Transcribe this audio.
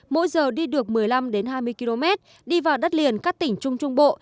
mỗi giờ đi được một mươi năm hai mươi km đi vào đất liền các tỉnh trung trung bộ